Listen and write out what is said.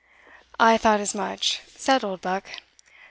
"I thought as much," said Oldbuck.